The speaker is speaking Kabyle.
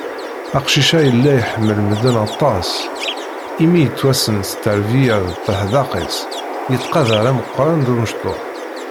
Aqcic-a, yella iḥemmel medden aṭaṣ, imi yettwassen s terbiyya d teḥdeq-is, yettqadaṛ ameqqṛan d umectuḥ.